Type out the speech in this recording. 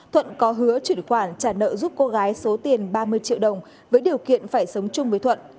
thuận có hứa chuyển khoản trả nợ giúp cô gái số tiền ba mươi triệu đồng với điều kiện phải sống chung với thuận